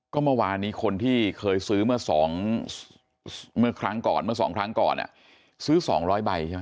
ก็เมื่อวานนี้คนที่เคยซื้อเมื่อ๒ครั้งก่อนซื้อ๒๐๐ใบใช่ไหม